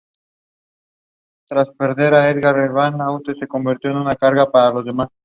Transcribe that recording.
Alberga un conjunto palaciego y cuenta con un lago y un jardín botánico.